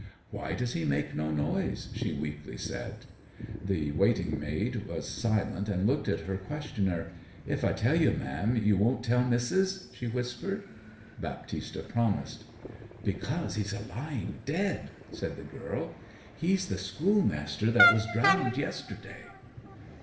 'Why does he make no noise?' she weakly said. The waiting maid was silent, and looked at her questioner. 'If I tell you, ma'am, you won't tell missis?' she whispered. Baptista promised. 'Because he's a lying dead!' said the girl. 'He's the schoolmaster that was drownded yesterday.'